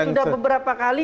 ya sudah beberapa kali